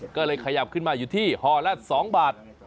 ก็เลยขยับขึ้นมาอยู่ที่ห่อละ๒บาท